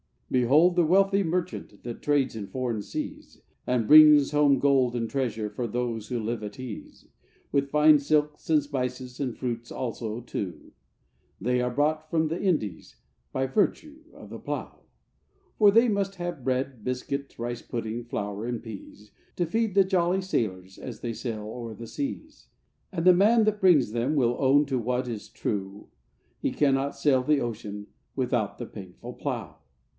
Behold the wealthy merchant, that trades in foreign seas, And brings home gold and treasure for those who live at ease; With fine silks and spices, and fruits also, too, They are brought from the Indies by virtue of the plough. 'For they must have bread, biscuit, rice pudding, flour and peas, To feed the jolly sailors as they sail o'er the seas; And the man that brings them will own to what is true, He cannot sail the ocean without the painful plough!